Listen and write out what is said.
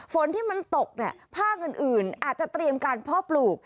ฝนที่มันตกเนี่ยภาคอื่นอาจจะเตรียมการพ่อปลูก